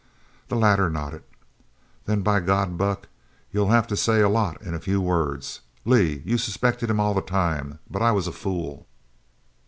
The latter nodded. "Then by God, Buck, you'll have to say a lot in a few words. Lee, you suspected him all the time, but I was a fool!"